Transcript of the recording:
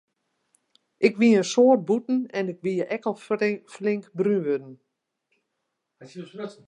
Ik wie in soad bûten en ik wie al flink brún wurden.